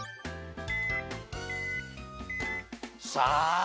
さあ。